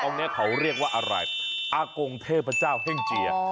ตรงนี้เขาเรียกว่าอะไรอากงเทพเจ้าเฮ่งเจีย